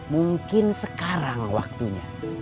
mungkin sekarang waktunya